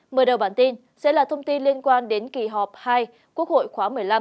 mở đầu bản tin sẽ là thông tin liên quan đến kỳ họp hai quốc hội khóa một mươi năm